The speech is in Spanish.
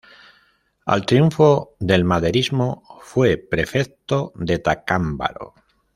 Al triunfo del maderismo fue prefecto de Tacámbaro.